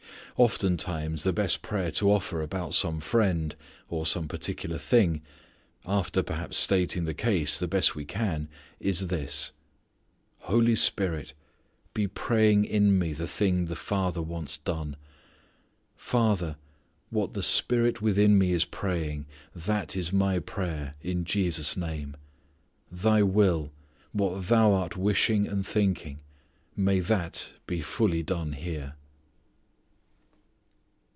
Oftentimes the best prayer to offer about some friend, or some particular thing, after perhaps stating the case the best we can is this: "Holy Spirit, be praying in me the thing the Father wants done. Father, what the Spirit within me is praying, that is my prayer in Jesus' name. Thy will, what Thou art wishing and thinking, may that be fully done here."